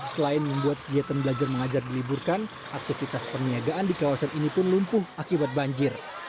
selain membuat kegiatan belajar mengajar diliburkan aktivitas perniagaan di kawasan ini pun lumpuh akibat banjir